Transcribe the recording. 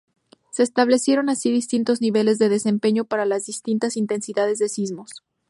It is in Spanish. Se establecieron así distintos niveles de desempeño para las distintas intensidades de sismos.